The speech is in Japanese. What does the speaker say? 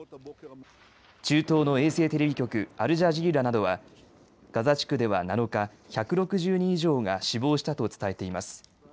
中東の衛星テレビ局アルジャジーラなどはガザ地区では７日１６０人以上が死亡したと伝えています。